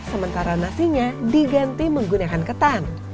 sementara nasinya diganti menggunakan ketan